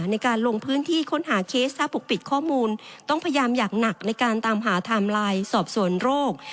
ในการลงพื้นที่ค้นหาเคสและปกปิดข้อมูลต้องพยายามอย่างหนักในการตามหาไทม์ไลน์สอบสวนโรค